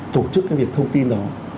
tổ chức cái việc thông tin đó